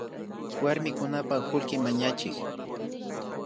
Warmikunapak kullki mañachik